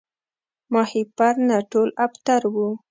ماهیپر نه ټول ابتر وو